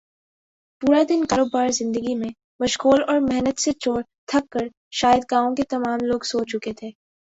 پورا دن کاروبار زندگی میں مشغول اور محنت سے چور تھک کر شاید گاؤں کے تمام لوگ سو چکے تھے